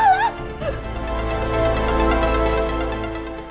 pak remon pak remon